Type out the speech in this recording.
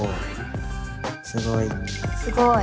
すごい。